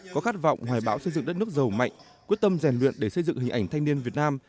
có khát vọng hoài bão xây dựng đất nước giàu mạnh quyết tâm rèn luyện để xây dựng hình ảnh thanh niên việt nam